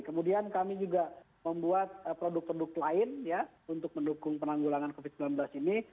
kemudian kami juga membuat produk produk lain ya untuk mendukung penanggulangan covid sembilan belas ini